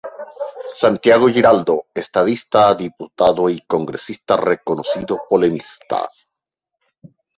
Santiago Giraldo, Estadista, Diputado y Congresista reconocido polemista.